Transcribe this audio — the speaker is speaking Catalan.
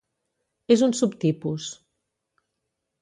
És un subtipus.